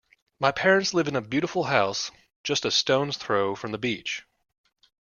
My parents live in a beautiful house just a stone's throw from the beach.